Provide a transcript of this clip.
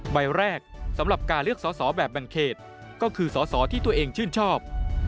ใบแรกสำหรับการเลือกสอสอแบบแบ่งเขตก็คือสอสอที่ตัวเองชื่นชอบ